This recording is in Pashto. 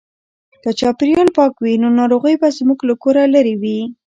که چاپیریال پاک وي نو ناروغۍ به زموږ له کوره لیري وي.